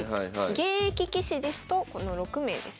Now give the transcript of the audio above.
現役棋士ですとこの６名ですね。